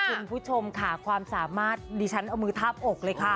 คุณผู้ชมค่ะความสามารถดิฉันเอามือทาบอกเลยค่ะ